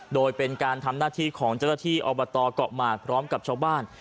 โดยเป็นการทำหน้าที่ของเจ้าหน้าที่อบตเกาะหมากพร้อมกับชาวบ้าน